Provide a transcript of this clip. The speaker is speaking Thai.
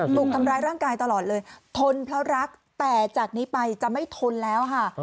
ถูกทำร้ายร่างกายตลอดเลยทนเพราะรักแต่จากนี้ไปจะไม่ทนแล้วค่ะ